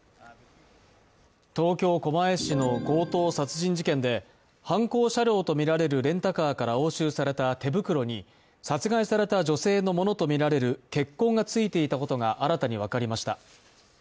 東京・狛江市の強盗殺人事件で、犯行車両とみられるレンタカーから押収された手袋に殺害された女性のものとみられる血痕がついていたことが新たに分かりました。